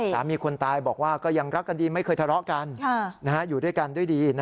คนตายบอกว่าก็ยังรักกันดีไม่เคยทะเลาะกันอยู่ด้วยกันด้วยดี